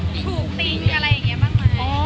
ถูกติงอะไรแบบนี้บ้างไหม